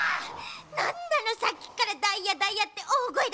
なんなのさっきからダイヤダイヤっておおごえだして。